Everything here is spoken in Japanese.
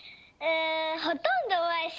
ほとんどまいしゅ